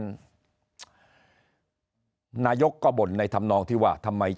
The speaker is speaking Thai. นายกรัฐมนตรีพูดเรื่องการปราบเด็กแว่นนายกรัฐมนตรีพูดเรื่องการปราบเด็กแว่น